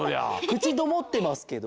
くちごもってますけど。